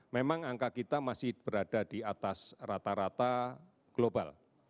memang angka kita masih berada di atas rata rata global